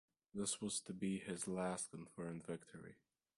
This was to be his last confirmed victory.